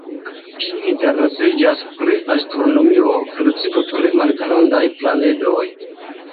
Ŝi interesiĝas pri astronomio, precipe pri malgrandaj planedoj.